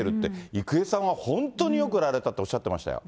郁恵さんは、本当によくやられたとおっしゃってましたよ。